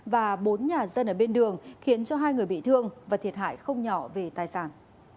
và bốn nhà dân ở bên đường khiến cho hai người bị thương và thiệt hại không nhỏ về tài sản